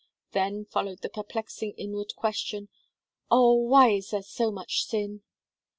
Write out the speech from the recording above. Then followed the perplexing inward question: "Oh! why is there so much sin?"